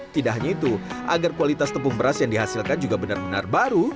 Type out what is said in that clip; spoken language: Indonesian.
tidak hanya itu agar kualitas tepung beras yang dihasilkan juga benar benar baru